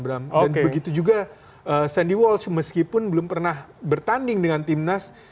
dan begitu juga sandy walsh meskipun belum pernah bertanding dengan tim nasi